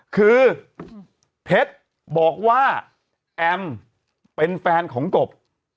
คือเพชรบอกว่าแอมเป็นแฟนของกบ